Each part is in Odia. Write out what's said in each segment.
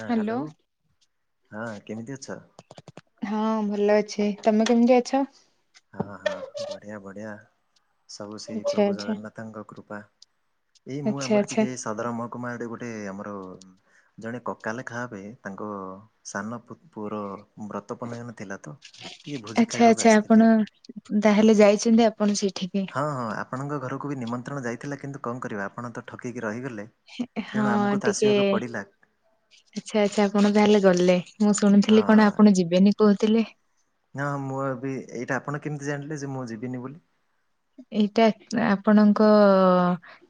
ହଁ ହ୍ୟାଲୋ ହଁ କେମିତି ଅଛ? ହଁ ଭଲ ଅଛି ତମେ କେମିତି ଅଛ? ହଁ ହଁ ବଢ଼ିଆ ବଢ଼ିଆ ସବୁ ସେଇ ଆଚ୍ଛା ପ୍ରଭୁ ଆଚ୍ଛା। ଜଗନ୍ନାଥଙ୍କ କୃପା। ଏଇ ମୁଁ ଆଚ୍ଛା ଆମର ଆଚ୍ଛା ଟିକେ ସଦର ମହକୁମାର ଆଡେ ଗୋଟେ ଆମର ଜଣେ କକା ଲେଖାହେବେ ତାଙ୍କ ସାନ ପୁ ପୁଅର ବ୍ରତପ୍ରନୟନ ଥିଲା ତ ଟିକେ ଭୋଜି ଆଚ୍ଛା ଖାଇବାକୁ ଆଚ୍ଛା ଆସିଥିଲି ଆପଣ ଆଉ। ତାହେଲେ ଯାଇଛନ୍ତି ଆପଣ ସେଇଠିକି। ହଁ ହଁ ଆପଣଙ୍କ ଘରକୁ ବି ନିମନ୍ତ୍ରଣ ଯାଇଥିଲା କିନ୍ତୁ କଣ କରିବା ଆପଣ ତ ଠକିକି ରହିଗଲେ। ତେଣୁ ହଁ ଆମକୁ ତ ଟିକେ ଆସିବାକୁ ପଡ଼ିଲା। ଆଚ୍ଛା ଆଚ୍ଛା ଆପଣ ତାହେଲେ ଗଲେ ମୁଁ ହଁ ଶୁଣିଥିଲି କଣ ଆପଣ ଯିବେନି କହୁଥିଲେ। ହଁ ମୁଁ ଏ ଏଇଟା ଆପଣ କେମିତି ଜାଣିଲେ ଯେ ମୁଁ ଯିବିନି ବୋଲି? ଏଇଟା ଆପଣଙ୍କ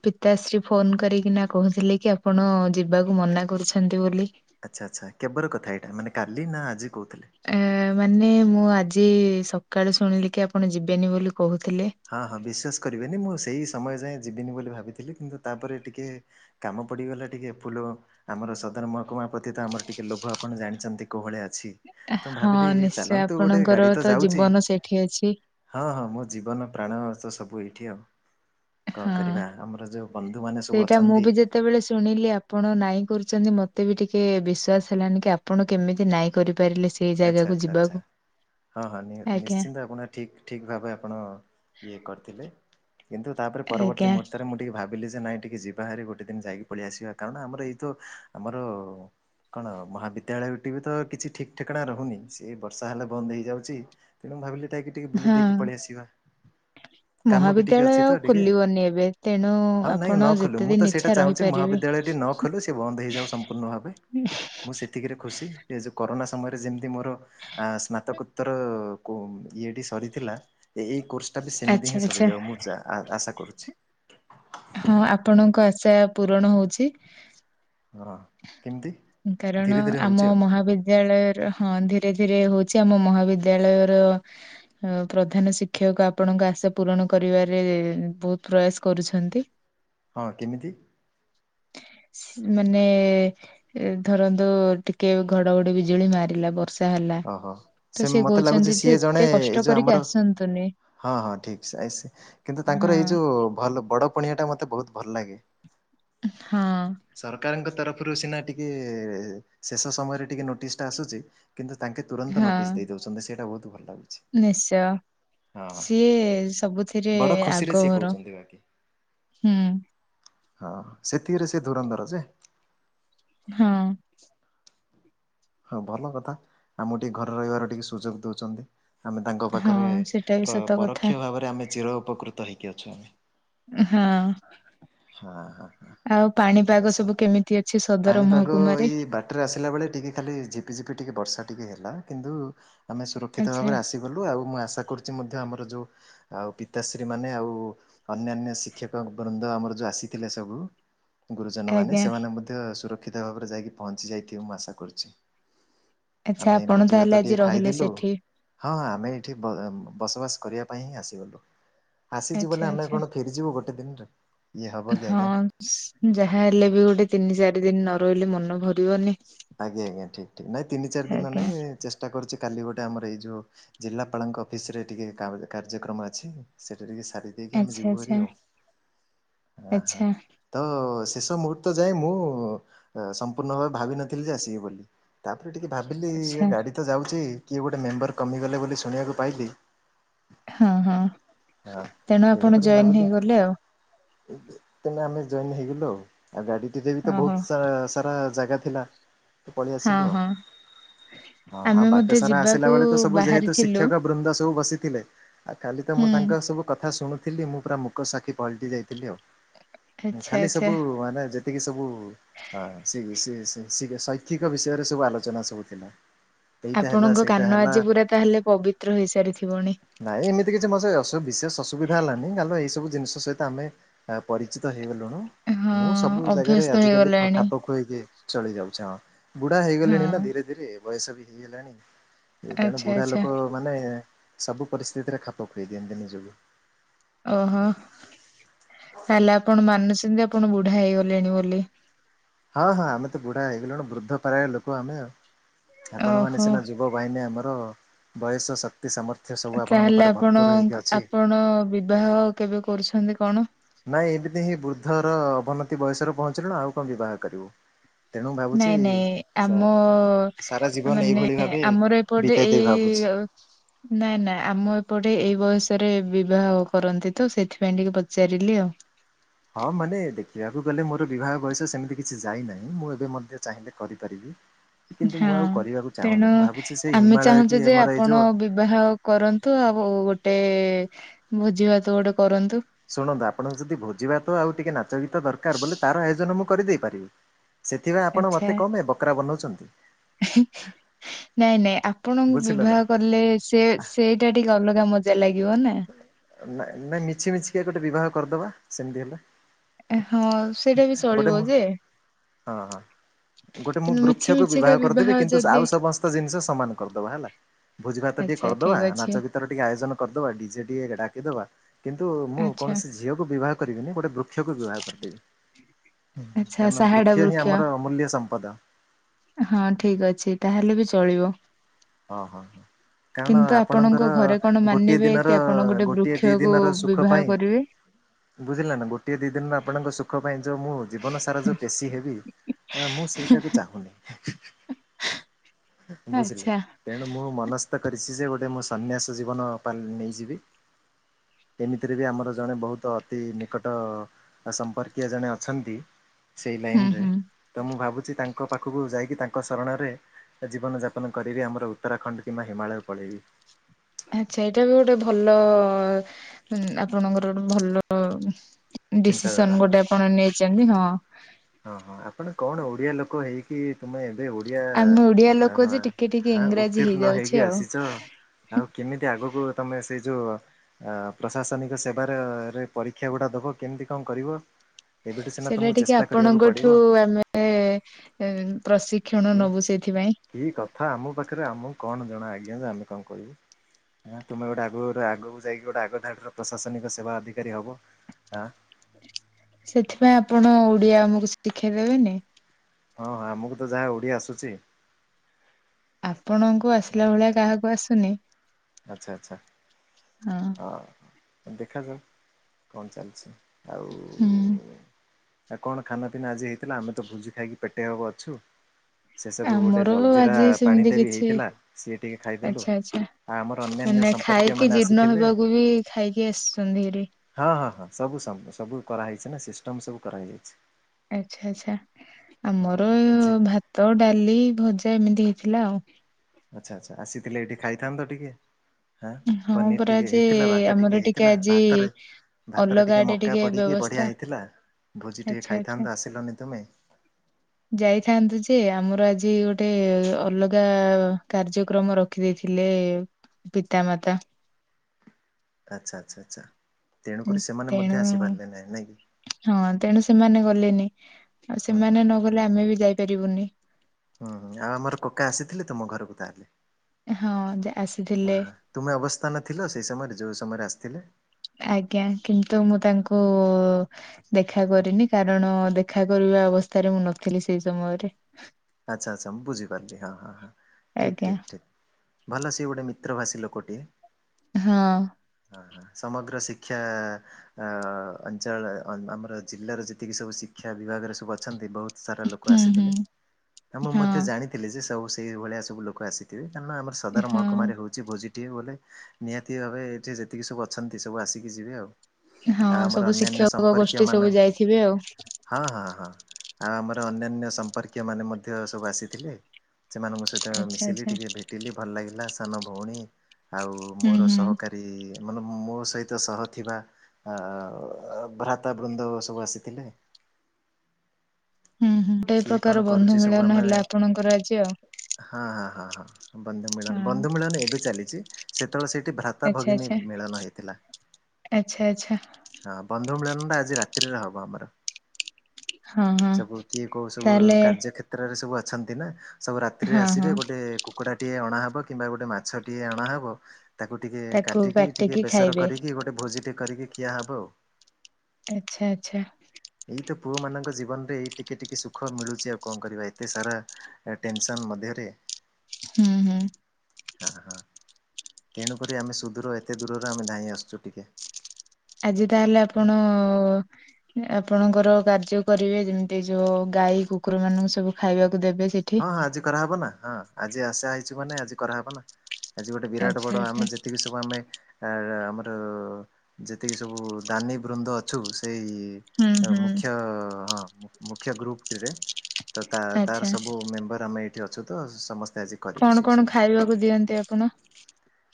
ପିତାଶ୍ରୀ ଫୋନ କରିକିନା କହୁଥିଲେ କି ଆପଣ ଯିବାକୁ ମନା କରୁଛନ୍ତି ବୋଲି। ଆଚ୍ଛା ଆଚ୍ଛା କେବର କଥା ଏଇଟା ମାନେ କାଲି ନା ଆଜି କହୁଥିଲେ। ଏ ମାନେ ମୁଁ ଆଜି ସକାଳୁ ଶୁଣିଲି କି ଆପଣ ଯିବେନି ବୋଲି କହୁଥିଲେ। ହଁ ହଁ ବିଶ୍ୱାସ କରିବେନି ମୁଁ ସେହି ସମୟ ଯାଏଁ ଯିବିନି ବୋଲି ଭାବିଥିଲି କିନ୍ତୁ ତାପରେ ଟିକେ କାମ ପଡ଼ିଗଲା ଟିକେ ଫୁଲ ଆମର ସଦର ମହକୁମା ପ୍ରତି ତ ଆମର ଟିକେ ଲୋଭ ଆପଣ ଜାଣିଛନ୍ତି କହୁଭଳିଆ ଅଛି। ତଁ ହଁ ଭାବିଲି ନିଶ୍ଚୟ ଚାଲନ୍ତୁ ଗୋଟେ ଆପଣଙ୍କର ଗାଡି ତ ଯାଉଛି। ଜୀବନ ସେଠି ଅଛି ହଁ ହଁ ମୋ ଜୀବନ ପ୍ରାଣ ତ ସବୁ ଏଇଠି ଆଉ କଣ ହଁ। କରିବା ଆମର ଯେଉଁ ବନ୍ଧୁମାନେ ସବୁ ଅଛନ୍ତି ସେତେବେଳେ ଶୁଣିଲି ଆପଣ ନାଇଁ କରୁଛନ୍ତି ମତେ ବି ଟିକେ ବିଶ୍ଵାସ ହେଲାନି କି ଆପଣ କେମିତି ନାଇଁ କରିପାରିଲେ। ସେଇ ଆଚ୍ଛା ଜାଗାକୁ ଆଚ୍ଛା ଆଚ୍ଛା ଯିବାକୁ। ହଁ ହଁ ନିହାତୀ ଆଜ୍ଞା। ନିଶ୍ଚିନ୍ତ ଆପଣ ଠିକ୍ ଠିକ୍ ଭାବେ ଆପଣ ଇଏ କରିଥିଲେ କିନ୍ତୁ ତାପରେ ଆଜ୍ଞା ପରବର୍ତ୍ତୀ ମୁହୂର୍ତ୍ତରେ ମୁଁ ଟିକେ ଭାବିଲି ଯେ ନାଇଁ ଟିକେ ଯିବା ହେରି ଗୋଟେ ଦିନ ଯାଇକି ପଳେଇ ଆସିବା କାରଣ ଆମର ଏଇତ ଆମର କଣ ମହାବିଦ୍ୟାଳୟଟି ବି ତ କିଛି ଠିକ୍ ଠିକଣା ରହୁନି ସେ ବର୍ଷା ହେଲେ ବନ୍ଦ ହେଇଯାଉଛି। ତେଣୁ ଭାବିଲି ଯାଇକି ଟିକେ ବୁଲି ହଁ। ଦେଇକି ପଳେଇ ଆସିବା। କାମ ବି ଟିକେ ମହାବିଦ୍ୟାଳୟ ଅଛି ଆଉ ତ ଟିକେ ଖୋଲିବନି ଏବେ ତେଣୁ ହଁ ନାଇଁ ଆପଣ ନ ଖୋଲୁ ଯେତେ ମୁଁ ଦିନ ତ ସେଇଟା ଇଚ୍ଛା ଚାହୁଁଛି। ରହିପାରିବେ। ମହାବିଦ୍ୟାଳୟ ନ ଖୋଲୁ ବନ୍ଦ ହେଇଯାଉ ସମ୍ପୂର୍ଣ୍ଣ ଭାବେ ମୁଁ ସେତିକିରେ ଖୁସି ଏ ଜଉ କରୋନା ଆମର ଯେମିତି ମର ଆ ସ୍ନାତକୋତ୍ତର ଇଏଟି ସରିଥିଲା ଏହି କୋର୍ସ ଟା ସେମିତି ଆଚ୍ଛା ହିଁ ଆଚ୍ଛା ସରିଯାଉ ମୁଁ ଆଶା କରୁଛି। ହଁ ଆପଣଙ୍କ ଆଶା ପୂରଣ ହଉଛି। ହଁ କେମିତି? କାରଣ ଧୀରେ ଧୀରେ ଆମ ହଉଛି ଆଉ ମହାବିଦ୍ୟା ବିଦ୍ୟାଳୟର ହଁ ଧୀରେ ଧୀରେ ହଉଛି ଆମ ମହାବିଦ୍ୟାଳୟର ପ୍ରଧାନ ଶିକ୍ଷକ ଆପଣଙ୍କ ଆଶା ପୂରଣ କରିବାରେ ବହୁତ ପ୍ରୟାସ କରୁଛନ୍ତି। ହଁ କେମିତି? ମାନେ ଧରନ୍ତୁ ଟିକେ ଘଡଘଡି ବିଜୁଳି ମାରିଲା ବର୍ଷା ହେଲା ଓହୋ ତ ସେ ମତେ ଲାଗୁଛି କହୁଛନ୍ତି ସିଏ ଯେ ଜଣେ ଏତେ ଏଇ କଷ୍ଟ ଯୋଉ କରିକି ଆମର ଆସନ୍ତୁନି। ହଁ ହଁ ଠିକ୍ ସେ ଆ କିନ୍ତୁ ହଁ ତାଙ୍କର ଏଇ ଯୋଉ ଭଲ ବଡ ପଣିଆ ଟା ମତେ ବହୁତ ଭଲ ଲାଗେ। ହଁ। ସରକାରଙ୍କ ତରଫରୁ ସିନା ଟିକେ ଶେଷ ସମୟରେ ଟିକେ ନୋଟିସ ଟା ଆସୁଚି। କିନ୍ତୁ ତାଙ୍କେ ତୁରନ୍ତ ହଁ ନୋଟିସ୍ ଦେଇ ଦଉଛନ୍ତି ସେଇଟା ବହୁତ ଭଲ ଲାଗୁଛି। ନିଶ୍ଚୟ ହଁ ସିଏ ସବୁଥିରେ ବଡ ଖୁସିରେ ସିଏ ଆଗଭର। କହୁଛନ୍ତି ବାକି ହୁଁ। ହଁ ସେତିକରେ ସେ ଧୂରନ୍ଧର ଯେ। ହଁ। ହଁ ଭଲ କଥା ଆମୁକୁ ଟିକେ ଘରେ ରହିବାର ଟିକେ ସୁଯୋଗ ଦୋଉଚନ୍ତି। ଆମେ ତାଙ୍କ ହଁ ପାଖରେ ସେଟା ବି ପ୍ର ସତ କଥା ପରୋକ୍ଷ ଭାବରେ ଆମେ ଚିର ଉପକୃତ ହେଇକି ଅଛୁ ଆମେ। ହଁ, ହଁ ହଁ ହଁ ଆଉ ପାଣିପାଗ ନିଶ୍ଚୟ। ସବୁ କେମି ତି ଅଛି ସଦର ପାଣିପାଗ ମହକୁମାରେ? ଏଇ ବାଟରେ ଆସିଲା ବଳେ ଟିକେ ଖାଲି ଝିପିଝିପି ଟିକେ ବର୍ଷା ଟିକେ ହେଲା କିନ୍ତୁ ଆମେ ସୁରକ୍ଷିତ ଆଚ୍ଛା ଭାବରେ ଆସି ଗଲୁ ଆଉ ମୁଁ ଆଶା କରୁଛି ମଧ୍ୟ ଆମର ଯୋଉ ଆଉ ପିତାଶ୍ରୀ ମାନେ ଆଉ ଅନ୍ୟାନ୍ୟ ଶିକ୍ଷକ ବୃନ୍ଦ ଆମର ଯୋଉ ଆସିଥିଲେ ସବୁ ଗୁରୁଜନ ମାନେ ଆଜ୍ଞା ସେମାନେ ମଧ୍ୟ ସୁରକ୍ଷିତ ଭାବରେ ଯାଇକି ପହଞ୍ଚି ଯାଇଥିବେ ମୁଁ ଆଶା କରୁଛି। ଆଚ୍ଛା ଆମେ ଆପଣ ତାହେଲେ ଭୋଜିିଭାତ ଆଜି ଟିକେ ରହିଲେ ଖାଇଦେଲୁ। ସେଠି ହଁ ହଁ ଆମେ ଏଇଠି ବ ବସବାସ୍ କରିବା ପାଇଁ ହିଁ ଆସିଗଲୁ, ଆସିଛି ବୋଲି ଆଚ୍ଛା ଆମେ ଆଚ୍ଛା କଣ ଫେରିଯିବୁ ଗୋଟେ ଦିନ୍ ରେ। ହଁ ସୁ ଯାହା ହେଲେ ହୁଁ। ବି ଗୋଟେ ତିନି ଚାରି ଦିନ୍ ନ ରହିଲେ ମନ ଭରିବନି। ଆଜ୍ଞ ଆଜ୍ଞା ଠିକ୍ ଠିକ୍ ନାଇଁ ତିନି ଚାରି ଦିନ ଆଜ୍ଞା ନାଇଁ ଚେଷ୍ଟା କରୁଛି କାଲି ଗୋଟେ ଆମର ଏଇ ଯୋଉ ଜିଲ୍ଲାପାଳଙ୍କ ଅଫିସ୍ ରେ ଟିକେ କାଗ କାର୍ଯ୍ୟକ୍ରମ ଅଛି, ସେଟା ଟିକେ ସାରି ଦେଇକି ଆମେ ଆଚ୍ଛା ଯିବୁ ଆଚ୍ଛା ଭାରି ଆଉ, ଆଁ ହାଁ। ଆଚ୍ଛା ତ ଶେଷ ମୁହୂର୍ତ୍ତ ଯାଏ ମୁଁ ସମ୍ପୂର୍ଣ୍ଣ ଭାବେ ଭାବିିନଥିଲି ଯେ ଆସିବି ବୋଲି। ତାପରେ ଟିକିଏ ଭାବିଲି ଆଚ୍ଛା ଏ ଗାଡ଼ି ତ ଯାଉଛି କିଏ ଗୋଟେ ମେମ୍ବର କମିଗଲେ ବୋଲି ଶୁଣିବାକୁ ପାଇଲି। ହଁ, ହଁ ତେଣୁ ଆପଣ ଜଏନ୍ ହେଇଗଲେ ଆଉ। କିନ୍ତୁ ଆମେ ଜଏନ୍ ହେଇଗଲୁ ଆଉ, ଆ ଗାଡିଟି ଦେବି ତ ଓହୋ ବୋହୁତ୍ ସା ତାରା ଜାଗା ଥିଲା। ତ ପଳେଇ ହଁ ଆସିଲୁ ଆଉ, ହଁ ହଁ ଆଉ ଆମେ ବାଟ ମଧ୍ୟ ସାରା ଆସିଲା ଯିବାକୁ ବେଳେ ତ ସବୁ ଯେହେତୁ ବାହାରିଥିଲୁ ଶିକ୍ଷକ ବୃନ୍ଦ ସବୁ ବସିଥିଲେ, ଆଉ ଖାଲି ତ ମୁଁ ହୁଁ ତାଙ୍କ ସବୁ କଥା ଶୁଣୁ ଥିଲି ମୁଁ ପୁରା ମୁକ ସାକ୍ଷୀ ପଲ୍ଟି ଯାଇଥିଲି ଆଉ ଆଚ୍ଛା ଖାଲି ଆଚ୍ଛା ସବୁ ମାନେ ତିକି ସବୁ ଅଁ ସି-ସି-ସି ସିକ୍ ସୈଖିକ ବିଷୟରେ ସବୁ ଆଲୋଚନା ସବୁ ଥିଲା। ଏଇଟା ହେଲା ଆପଣଙ୍କ ସେଇଟା କାନ ହେଲା ଆଜି ପୁରା ତାହେଲେ ପବିତ୍ର ହୋଇସାରିଥିବଣି। ନାଇଁ ଏମିତି କିଛି ମୋ ସହ ସୁ ବିଶେଷ ଅସୁବିଧା ହେଲାନି ଆଲୋ ଏଇସବୁ ଜିନ୍ଷ ସହିତ ଆମେ ଆ ପରିଚିତ ହେଇଗଲୁଣୁ, ହଁ ମୁଁ ସବୁ ଜାଗାରେ ଅଭ୍ୟସ୍ତ ଆଜିକାଲି ହେଇଗଲାଣି ଖାପ ଖୁଆଇ ଦିଏ। ଚଳି ଯାଉଚେ ହଁ ବୁଢା ହଁ ହେଇଗଲେଣି ନା ଧୀରେ ଧୀରେ, ବୟସ ବି ହେଇଗଲାଣି। ଏ ତେଣୁ ଆଚ୍ଛା ବୁଢା ଆଚ୍ଛା ଲୋକ ମାନେ ସବୁ ପରିସ୍ଥିତିରେ ଖାପ ଖୁଏଇ ଦିଅନ୍ତି ନିଜକୁ। ଓହୋ ତାହଲେ ଆପଣ ମାନୁଛନ୍ତି ଆପଣ ବୁଢା ହେଇଗଲେଣି ବୋଲି। ହଁ, ହଁ ଆମେ ତ ବୁଢା ହେଇଗଲୁଣି ବୃଦ୍ଧପାରାୟେ ଲୋକ ଆମେ ଆଉ ଆପଣମାନେେ ଓହୋ ସିନା ଯୁ ଯୁବ ବାହିନୀ ଆମର ବୟସ, ଶକ୍ତି, ସମର୍ଥ୍ୟ ସବୁ ଆପଣଙ୍କ ତାହେଲେ ପାଖରେ ଆପଣ ଭରପୁର୍ ହୋଇକି ଅଛି। ଆପଣ ବିବାହ କେବେ କରୁଛନ୍ତି କଣ? ନାଇଁ ଏମିତି ହିଁ ବୃଦ୍ଧର ଅବର୍ନତି ବୟସରେ ପହଞ୍ଚିଲୁଣୁ, ଆଉ କଁ ବିବାହ କରିବୁ। ତେଣୁ ଭାବୁଛି ନାଇଁ ନାଇଁ ଆମ ସାରା ଜୀବନ ମାନେ ଏଇଭଳି ଭାବେ ଆମର ଏ ଏପଟେ ବିତେଇ ଦେଇ ଭାବୁଛି ଏଇ ଅ ନାଇଁ ନାଁ ଆମ ଏପଟେ ଏଇ ବୟସରେ ବିବାହ କରନ୍ତି ତ ସେଥିପାଇଁ ଟିକେ ପଚାରିଲି ଆଉ। ହଁ ମାନେ ଦେଖିବାକୁ ଗଲେ ମୋର ବିବାହ ବୟସ ସେମିତି କିଛି ଯାଇନାହିଁ, ମୁଁ ଏବେ ମଧ୍ୟ ଚାହିଁଲେ କରିପାରିବି। [inaudible] ହଁ ଆଉ କରିବାକୁ ଚାହୁଁନି ତେଣୁ ମୁଁ ଭାବୁଛି ସେଇ ଆମେ ହିମାଳୟ କି ଚାହୁଁଛୁ ଯେ ଆମର ଏଇ ଆପଣ ଯୋଉ ବି ବିବାହ କରନ୍ତୁ ଆଉ ଗୋଟେ ଭୋଜି ଭାତ ଗୋଟେ କରନ୍ତୁ। ଶୁଣନ୍ତୁ ଆପଣଙ୍କ ଯଦି ଭୋଜି ଭାତ ଆଉ ଟିକେ ନାଚ ଗୀତ ଦର୍କାର ବୋଲେ ତାର ଆୟୋଜନ ମୁଁ କରିଦେଇ ପାରିବି। ସେଥିପାଇଁ ଆପଣ ଆଚ୍ଛା। ମୋତେ କଁ ପାଇଁ ବକରା ବନଉଛନ୍ତି। ନାଇଁ ନାଇଁ ଆପଣଙ୍କୁ ବୁଝିଲ ନା ବିବାହ କ ହେଲେ ସେ ସେଇଟା ଟିକେ ଅଲଗା ମଜା ଲାଗିବ ନା। ନା ନାଇଁ ମିଛି ମିଛି କା ଗୋଟେ ବିବାହ କରିଦବା ସେମିତି ହେଲା। ହଁ ସେଇଟା ବି ଚଳିବ ମୁଁ ଯେ। ହଁ। ଗୋଟେ ମୁଁ କିନ୍ତୁ ମିଛି ବୃକ୍ଷକୁ ମିଛିକା ବିବାହ କରିଦେବି କିନ୍ତୁ ଯଦି ଆଉ ସମସ୍ତ ଜିନିଷ ସମାନ କରିଦବା ହେଲା। ଭୋଜି ଭାତ ଟିକେ ଆଚ୍ଛା କରିଦବା ଠିକ ଅଛି। ନାଚ ଗୀତର ଟିକେ ଆୟୋଜନ କରିଦବା ଡିଜେ ଟିକେ ଡାକିଦବା। କିନ୍ତୁ ମୁଁ ଆଚ୍ଛା। କୌଣସି ଝିଅକୁ ବିବାହ କରିବିନି ଗୋଟେ ବୃକ୍ଷକୁ ବିବାହ କରିଦେବି। ହୁଁ ଆଚ୍ଛା କାରଣ ସାହାଡ ବୃକ୍ଷ ହିଁ ଆମର ଅମୂଲ୍ୟ ସମ୍ପଦ। ହଁ ଠିକ ଅଛି ତାହେଲେ ବି ଚଳିବ। ହଁ ହଁ ହଁ। କାରଣ କିନ୍ତୁ ଆପଣଙ୍କ ଆପଣଙ୍କର ଘରେ କଣ ଗୋଟିଏ ମାନିବେ କି ଦିନର ଆପଣ ଗୋଟେ ଗୋଟିଏ ଦି ବୃକ୍ଷକୁ ଦିନର ସୁଖ ବିବାହ ପାଇଁ। କରିବେ? ବୁଝିଲା ନା ଗୋଟିଏ ଦି ଦିନର ଆପଣଙ୍କ ସୁଖ ପାଇଁ ଯୋଉ ମୁଁ ଜୀବନ ସାରା ଯୋଉ ପେଶୀ ହେବି। ନା ମୁଁ ସେଇଟାକୁ ଚାହୁଁନି ବୁଝିଲେ। ଆଚ୍ଛା ତେଣୁ ମୁଁ ମନସ୍ଥ କରିଛି ଯେ ଗୋଟେ ମୁଁ ସନ୍ନ୍ୟାସ ଜୀବନ ପା ନେଇଯିବି। ଏମିତିରେ ବି ଆମର ଜଣେ ବହୁତ ଅତି ନିକଟ। ସମ୍ପର୍କୀୟ ଜଣେ ଅଛନ୍ତି ସେଇ ହୁଁ ଲାଇନ ରେ। ହୁଁ ତ ମୁଁ ଭାବୁଛି ତାଙ୍କ ପାଖକୁ ଯାଇକି ତାଙ୍କ ଶରଣରେ ଜୀବନ ଯାପନ କରିବି ଆମର। ଉତ୍ତରାଖଣ୍ଡ କିମ୍ବା ହିମାଳୟ ପଳେଇବି। ଆଛା ଏଇଟା ବି ଗୋଟେ ଭଲ ଆପଣଙ୍କର ଗୋଟେ ଭଲ ଉମ୍। ଚିନ୍ତାଧାରା ଡିସିସନ ଗୋଟେ ଆପଣ ନେଇଛନ୍ତି ହଁ। ହଁ ହଁ ଆପଣ କଣ ଓଡିଆ ଲୋକ ହେଇକି। କି ତୁମେ ଏବେ ଓଡିଆ ଆମେ ଓଡିଆ ଲୋକ ଯେ ଟିକେ ଟିକେ ହାଁ ଇଂରାଜୀ ଉତ୍ତୀର୍ଣ ହେଇଯାଉଛି ହେଇକି ଆଉ। ଆସିଛ। ଆଉ କେମିତି ଆଗକୁ ତମେ ସେଇ ଯୋଉ। ଆ ପ୍ରଶାସନିକ ସେବାର ରେ ପରୀକ୍ଷା ଗୁଡା ଦବ କେମିତି କଁ କରିବ। ଏବେଠୁ ସିନା ସେଇଟା ତମକୁ ଟିକେ ଚେଶ୍ ଆପଣଙ୍କଠୁ ଆମେ ଏ ପ୍ରଶିକ୍ଷଣ ନବୁ ସେଇଥିପାଇଁ। କି କଥା ଆମ ପାଖରେ ଆମକୁ କଣ ଜଣା ଆଜ୍ଞା ଯେ ଆମେ କଁ କହିବୁ। ଆଁ ତୁମେ ଗୋଟେ ଆଗରୁ ଆଗକୁ ଯାଇକି ଗୋଟେ ଆଗ ଧାଡ଼ିର ପ୍ରଶାସନିକ ସେବା ଅଧିକାରୀ ହେବ ହାଁ। ସେଥିପାଇଁ ଆପଣ ଓଡିଆ ଆମକୁ ଶିଖେଇ ଦେବେନି। ହଁ ହଁ ଆମକୁ ତ ଯାହା ଓଡ଼ିଆ ଆସୁଛି। ଆପଣଙ୍କୁ ଆସିଲା ଭଳିଆ କାହାକୁ ଆସୁନି। ଆଚ୍ଛା ଆଚ୍ଛା। ହଁ। ହଁ ଦେଖାଯାଉ କଣ ଚାଲିଛି ଆଉ। ହୁଁ। ଆଉ କଣ ଖାନା ପିନା ଆଜି ହେଇଥିଲା ଆମେ ତ ଭୋଜି ଖାଇକି ପେଟେହେବ ଅଛୁ। ସେ ସବୁ ଗୋଟେ ଆମର ଜଲଜିିରା ଆଜି ସେମିତି ପାଣିଟେ ବି କିଛି ହେଇଥିଲା ସିଏ ଟିକେ ଖାଇଦେଲୁ। ଆଚ୍ଛା ଆଚ୍ଛା ଆଉ ଆମର ଅନ୍ୟାନ୍ୟ ସମ୍ପର୍କୀୟ ମାନେ ଆସି ନହେବାକୁ ବି ଖାଇକି ଆସିୁଛନ୍ତି ହାରି। ହଁ ହଁ ହଁ ସବୁ ସବୁ ସବୁ କରା ହେଇଛି ନା ସିଷ୍ଟମ ସବୁ କରା ହେଇ ଯାଇଛି। ଆଛା ଆଛା ଆମର ଜି ଭାତ ଡାଲି ଭଜା ଏମିତି ହେଇଥିଲା ଆଉ। ଆଚ୍ଛା ଆଚ୍ଛା ଆସିଥିଲେ ଏଠି ଖାଇଥାନ୍ତ ତ ଟିକେ। ହାଁ ହଁ ପନିର ପରା ଟିକେ ଯେ ହେଇଥିଲା ଭାତ ଆମର ଟିକେ ହେଇଥିଲା ଆଜି ଭାତରେ। ଭାତରେ ଅଲଗା ଟିକେ ଆଡେ ମକା ପଡ଼ିକି ବ୍ୟବସ୍ଥା ବଢ଼ିଆ ହେଇଥିଲା ଭୋଜି ଟିକେ ଆଚ୍ଛା ଖାଇଥାନ୍ତ ଆସିଲନି ତମେ। ଯାଇଥାନ୍ତି ଯେ ଆମର ଆଜି ଗୋଟେ ଅଲଗା କାର୍ଯ୍ୟକ୍ରମ ରଖ ପାଖରେ ଥିଲେ ପିତା ମାତା ଆଚ୍ଛା ଆଚ୍ଛା ଆଚ୍ଛା ତେଣୁକରି ସେମାନେ ତେଣୁ ମଧ୍ୟ ଆସିପାରିଲେ ନାହିଁ ନାଇଁ କି ହଁ ତେଣୁ ସେମାନେ ଗଲେନି ଆଉ ହୁଁ ହୁଁ ସେମାନେ ହୁଁ ନଗଲେ ଆମେ ବି ଯାଇପାରିବୁନି ହୁଁ ହୁଁ ଆଉ ଆମର କକା ଆସିଥିଲେ ତୁମ ଘରକୁ ତାହେଲେ ହଁ ଯେ ହଁ ଆସିଥିଲେ। ହଁ ତୁମେ ଅବସ୍ଥାନ ଥିଲ ସେଇ ସମୟରେ ଯଉ ସମୟରେ ଆସିଥିଲେ। ଆଜ୍ଞା କିନ୍ତୁ ମୁଁ ତାଙ୍କୁ ଦେଖା କରିନି କାରଣ ଦେଖା କରିବା ଅବସ୍ଥାରେ ମୁଁ ନଥିଲି ସେଇ ସମୟରେ। ଆଚ୍ଛା ଆଚ୍ଛା ମୁଁ ବୁଝିପାରିଲି ହଁ ହଁ ହଁ ଠିକ୍ ଆଜ୍ଞା ଠିକ୍ ଠିକ୍। ଭଲ ସେ ଗୋଟେ ମିତ୍ରଭାଷୀ ଲୋକଟିଏ। ହଁ। ସମଗ୍ର ଶିକ୍ଷା ଅ ଅଞ୍ଚଳ ଆମର ଜିଲ୍ଲାର ଯେତିକି ସବୁ ଶିକ୍ଷା ବିଭାଗରେ ସବୁ ଅଛନ୍ତି ବହୁତ ସାରା ଲୋକ ହୁଁ ହୁଁ ଆସିଥିଲେ। ଆଉ ମୁଁ ମଧ୍ୟ ହଁ ଜାଣିଥିଲି ଯେ ସବୁ ସେଇ ଭଳିଆ ସବୁ ଲୋକ ଆସିଥିବେ କାରଣ ଆମର ସଦର ହଁ ମହକୁମାରେ ହଉଛି। ଛି ଭୋଜି ଟେ ବୋଲେ ନିହାତି ଭାବେ ଯେ ଯେତିକି ସବୁ ଅଛନ୍ତି ସବୁ ଆସିକି ଯିବେ ଆଉ। ହଁ ଆଉ ଆମର ସବୁ ଅନ୍ୟାନ୍ୟ ଶିକ୍ଷକ ସମ୍ପର୍କୀୟ ଗୋଷ୍ଠୀ ମାନ ସବୁ ଯାଇଥିବେ ଆଉ। ହଁ ହଁ ହଁ ଆଉ ଆମର ଅନ୍ୟାନ୍ୟ ସମ୍ପର୍କୀୟ ମାନେ ମଧ୍ୟ ସବୁ ଆସିଥିଲେ। ସେମାନଙ୍କ ସହିତ ଆଚ୍ଛା ମିଶିଲି ଆଚ୍ଛା ଟିକେ ଭେଟିଲି ଭଲ ଲାଗିଲା ସାନ ଭଉଣୀ ଆଉ ହୁଁ ମୋର ହୁଁ ସହକାରୀ ମାନେ ମୋ ସହିତ ସହ ଥିବା ଆ ଭ୍ରତା ବୃନ୍ଦ ସବୁ ଆସିଥିଲେ। ହୁଁ ହୁଁ ଏ କିଏ କଣ ପ୍ରକାର କରୁଛି ବନ୍ଧୁ ସବୁ ମିଳନ ଆମେ ହେଲା ଆପଣଙ୍କର ଆଜି ଆଉ। ହଁ ହଁ ହଁ ହଁ ବନ୍ଧୁ ହଁ ମିଳନ ବନ୍ଧୁ ମିଳନ ଏବେ ଚାଲିଚି। ସେତେବେଳେ ସେଇଠି ଭ୍ରାତା, ଆଚ୍ଛା ଭଗିନୀ ଆଚ୍ଛା ମିଳନ ହେଇଥିଲା। ଆଚ୍ଛା ଆଚ୍ଛା। ହଁ ବନ୍ଧୁ ମିଳନ ଟା ଆଜି ରାତ୍ରିରେ ହବ ଆମର। ହଁ ହଁ ସବୁ କିଏ କୋଉ ସବୁ ତାହେଲେ କାର୍ଯ୍ୟ କ୍ଷେ ତ୍ରରେ ସବୁ ଅଛନ୍ତି ନା ସବୁ ରାତ୍ରିରେ ହଁ ହଁ ଆସିବେ ଗୋଟେ କୁକୁଡ଼ା ଟିଏ ଅଣା ହବ କିମ୍ବା ଗୋଟେ ମାଛଟିଏ ଅଣାହବ। ତାକୁ ଟିକେ ତାକୁ କାଟିକି ଟିକେ ବେସର ଖାଇବେ କରିକି ଗୋଟେ ଭୋଜି ଟିଏ କରିକି ଖିଆ ହବ ଆଉ। ଆଚ୍ଛା ଆଚ୍ଛା। ଏଇ ତ ପୁଅମାନଙ୍କ ଜୀବନରେ ଏ ଟିକେ ଟିକେ ସୁଖ ମିଳୁଛି ଆଉ କଣ। କରିବା ଏତେ ସାରା ଟେନସନ୍ ମଧ୍ୟରେ। ହୁଁ ହୁଁ ହଁ ହଁ। ତେଣୁକରି ଆମେ ସୁଦୂର ଏତେ ଦୂରରୁ ଆମେ ଧାଇଁ ଆସୁଛୁ ଟିକେ। ଆଜି ତାହେଲେ ଆପଣ ଆପଣଙ୍କର କାର୍ଯ୍ୟ କରିବେ ଯେମିତି ଯୋଉ ଗାଈ କୁକୁର ମାନଙ୍କୁ ସବୁ ଖାଇବାକୁ ଦେବେ ସେଠି ହଁ ଆଜି କରାହବ ନା ହଁ ଆଜି ଆଶା ହେଇଚୁ ମାନେ ଆଜି କରାହେବ ନା ଆଜି ଗୋଟେ ବିରାଟ ଆଚ୍ଛା ବଡ ଆମେ ଆଚ୍ଛା ଯେତିକି ସବୁ ଆମେ ଆ ଆମର ଯେତିକି ସବୁ ଦାନି ବୃନ୍ଦ ଅଛୁ ସେଇ ହୁଁ ହୁଁ ମୁଖ୍ୟ ହଁ ମୁଖ୍ୟ ଗ୍ରୁପ ଟିରେ ତ ତାର ଆଚ୍ଛା ସବୁ ମେମ୍ବର ଆମେ ଏଇଠି ଅଛୁ ତ ସମସ୍ତେ ଆଜି କରିବୁ କଣ ସେଇ କଣ ସବୁ। ଖାଇବାକୁ ଦିଅନ୍ତି ଆପଣ।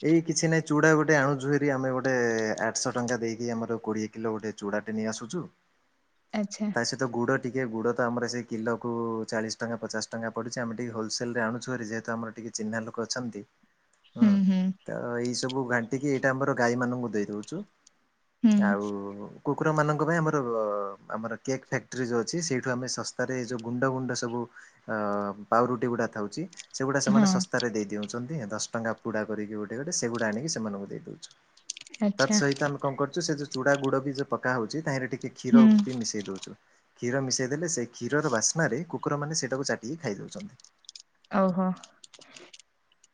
ଏଇ କିଛି ନାଇଁ ଚୁଡା ଗୋଟେ ଆଣୁଚୁ ଭାରି ଆମେ ଗୋଟେ ଆଠଶହ ଟଙ୍କା ଦେଇକି ଆମର କୋଡିଏ କିଲୋ ଗୋଟେ ଚୂଡ଼ାଟେ ନେଇ ଆସୁଛୁ। ଆଚ୍ଛା। ତ ଗୁଡ ଟିକେ ଗୁଡ ତ ଆମର ସେ କିଲୋକୁ ଚାଳିଶ ଟଙ୍କା ପଚାଶ ଟଙ୍କା ପଡୁଚି ଆମେ ଟିକେ ହଲସେଲ ରେ ଆଣୁଚୁ ହରି ଯେହେତୁ ଆମର ଟିକେ ଚିହ୍ନା ଲୋକ ଅଛନ୍ତି। ହୁଁ ତ ଏଇ ସବୁ ଘାଣ୍ଟିକି ଏଇଟା ଆମର ଗାଈ ମାନଙ୍କୁ ଦେଇ ଦଉଚୁ। ହୁଁ ଆଉ କୁ କୁକୁରମାନଙ୍କ ପାଇଁ ଆମର ଆମର କେକ୍ ଫ୍ୟାକ୍ଟ୍ରି ଯୋଉ ଅଛି ସେଇଠୁ ଆମେ ଶସ୍ତାରେ ଏ ଯୋଉ ଗୁଣ୍ଡ ଗୁଣ୍ଡ ସବୁ ପାଉରୁଟି ଗୁଡ଼ା ଥାଉଛି ସେଗୁଡ଼ା ସେମାନେ ହଁ ଶସ୍ତାରେ ଦେଇଦଉଛନ୍ତି ଦଶ ଟଙ୍କା ପୁଡ଼ା କରିକି ଗୋଟେ ଗୋଟେ ସେଗୁଡ଼ା ଆଣିକି ସେମାନଙ୍କୁ ଦେଇଦଉଛୁ ତା ଆଚ୍ଛା ସହିତ ଆମେ କଣ କରୁଚୁ ସେ ଯୋଉ ଚୁଡା ଗୁଡ ବି ଯୋଉ ପକା ହଉଛି ତାହିଁରେ ଟିକେ କ୍ଷୀର ହୁଁ ବି ମିଶେଇ ଦଉଛୁ। କ୍ଷୀର ମିଶାଇ ଦେଲେ ସେ କ୍ଷୀର ର ବାସ୍ନାରେ କୁକୁରମାନେ ସେଟାକୁ ଚାଟିକି ଖାଇ ଦେଉଛନ୍ତି। ଓହୋ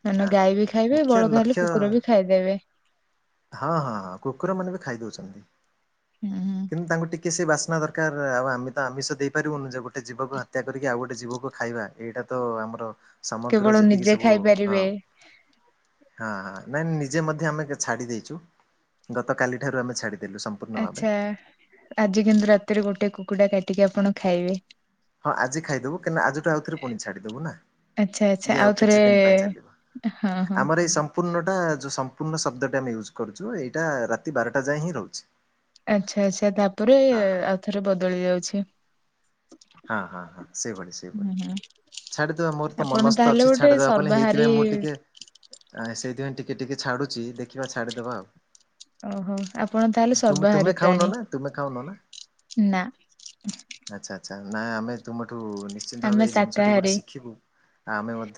ମାନେ ହଁ। ଗାଈ ବି ଖାଇବେ ମୁଖ୍ୟ ବଳକା ହେଲେ ଲକ୍ଷ୍ୟ କୁକୁର ବି ଖାଇଦେବେ। ହଁ ହଁ ହଁ କୁକୁର ମାନେ ବି ଖାଇଦଉଛନ୍ତି ହୁଁ ହୁଁ କିନ୍ତୁ ତାଙ୍କୁ ଟିକେ ସେ ବାସ୍ନା ଦର ଦରକାର ଆଉ ଆମେ ତ ଆମିଷ ଦେଇପାରିବୁନୁ ଯେ ଗୋଟେ ଜୀବକୁ ହତ୍ୟା କରିକି ଆଉ ଗୋଟେ ଜୀବକୁ ଖାଇବା ଏଇଟା ତ ଆମର କେବଳ ସମଗ୍ର ଯେତିକି ନିଜେ ସବୁ ଖାଇପାରିବେ। ହଁ ହଁ ନାଇଁ ନିଜେ ମଧ୍ୟ ଆମେ ଛାଡି ଦେଇଛୁ। ଗତକାଲିଠାରୁ ଆମେ ଛାଡ଼ିଦେଲୁ ସ ଆଚ୍ଛା ଆଜି କିନ୍ତୁ ରାତିରେ ଗୋଟେ କୁକୁଡା କାଟିକି ଆପଣ ଖାଇବେ। ହଁ ଆଜି ଖାଇଦେବୁ କିନା ଆଜିଠୁ ଆଉଥରେ ପୁଣି ଛାଡ଼ିଦବୁ ନା ଆଚ୍ଛା ଆଚ୍ଛା ଇଏ ଆଉ ଥରେ କିଛି ଦିନ ପାଇଁ ଚାଲିବ। ହଁ ହଁ ଆମର ଏଇ ସ ସମ୍ପୂର୍ଣ୍ଣଟା ଯେଉ ସମ୍ପୂର୍ଣ୍ଣ ଶଦ୍ଦଟା ଆମେ ୟୁଜ୍ କରୁଛୁ ଏଇଟା ରାତି ବାରଟା ଯାଏଁ ହିଁ ରହୁଛି। ଆଚ୍ଛା ଆଚ୍ଛା ତାପରେ ହଁ ହଁ ଆଉ ଥରେ ବଦଳି ଯାଉଛି। ହଁ ହଁ ହଁ ସେଇ ଭଳି ସେଇ ହୁଁ ଭଳି। ହୁଁ ଛାଡିଦବା ମୋର ତ ଆପଣ ମନସ୍ଥ ତାହେଲେ ଅଛି ଗୋଟେ ଛାଡିଦବା ପାଇଁ ସର୍ବାହାରୀ ହେଇଥିପାଇଁ ମୁଁ ଟିକେ ଆ ସେଇଥିପାଇଁ ଟିକେ ଟିକେ ଛାଡୁଛି ଦେଖିବା ଛାଡିଦବା ଆଉ। ଓହୋ ଆପଣ ତାହେଲେ ତୁ ତୁମେ ସର୍ବାହାରୀ ଖାଉନ ପ୍ରାଣୀ ନା ତୁମେ ଖାଉନ ନା? ନା ଆଚ୍ଛା ଆଚ୍ଛା ନା ଆମେ ତୁମଠୁ ନିଶ୍ଚିନ୍ତ ଆମେ ଭାବେ ଏଇ ଜିନିଷଟି ଗୋଟେ ଶାକାହାରୀ। ଶିଖିବୁ ଆମେ ମଧ୍ୟ